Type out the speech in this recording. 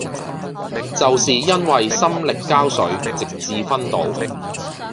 就是因為心力交瘁直至昏倒